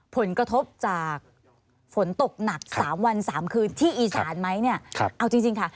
ผลกระทบจากฝนตกหนัก๓วัน๓คืนที่อีสานไหมเนี่ยเอาจริงค่ะ